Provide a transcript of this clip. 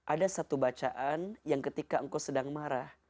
ada satu bacaan yang ketika engkau sedang marah